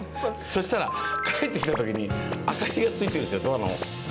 そしたら帰ってきたときに明かりがついてるんです。